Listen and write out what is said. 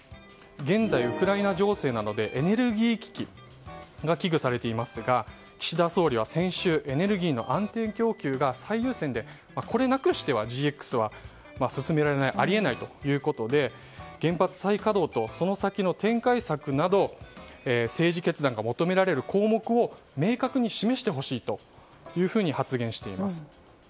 現在、ウクライナ情勢などでエネルギー危機が危惧されていますが岸田総理は先週エネルギーの安定供給が最優先でこれなくしてはＧＸは進められないあり得ないということで原発再稼働とその先の展開策など政治決断が求められる項目を明確に示してほしいと発言しています。